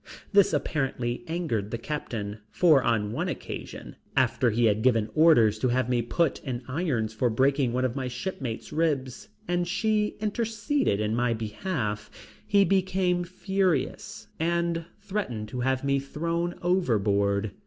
This apparently angered the captain, for on one occasion, after he had given orders to have me put in irons for breaking one of my shipmate's ribs, and she interceded in my behalf, he became furious and threatened to have me thrown overboard.